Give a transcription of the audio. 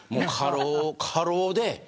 過労で。